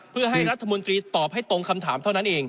เพื่อให้รัฐมนตรีตอบให้ตรงคำถามเท่านั้นเอง